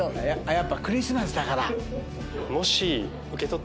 やっぱクリスマスだから。